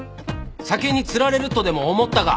酒に釣られるとでも思ったか。